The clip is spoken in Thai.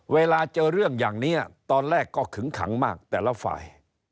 เวลาเจอเรื่องอย่างนี้ตอนแรกก็ขึงขังมากแต่ละฝ่าย